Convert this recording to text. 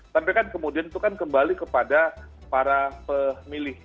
tapi kan kemudian itu kan kembali kepada para pemilih